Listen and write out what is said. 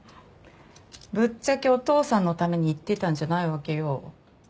ぶっちゃけお父さんのために行ってたんじゃないわけよ。